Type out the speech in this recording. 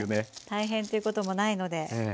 大変っていうこともないので。